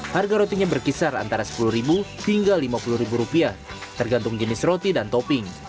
harga rotinya berkisar antara sepuluh hingga rp lima puluh tergantung jenis roti dan topping